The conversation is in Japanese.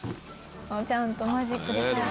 ちゃんとマジックで書いて。